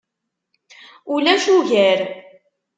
Ulac ugar.